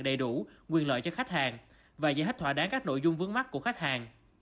đầy đủ quyền lợi cho khách hàng và giải thích thỏa đáng các nội dung vướng mắt của khách hàng